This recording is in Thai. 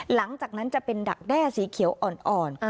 หลังจากนั้นจะเป็นดักแด้สีเขียวอ่อน